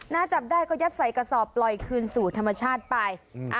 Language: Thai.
จับได้ก็ยัดใส่กระสอบปล่อยคืนสู่ธรรมชาติไป